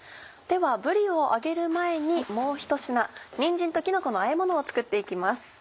ではぶりを揚げる前にもうひと品「にんじんときのこのあえもの」を作って行きます。